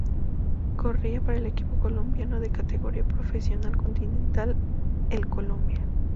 Corría para el equipo colombiano de categoría profesional continental el Colombia.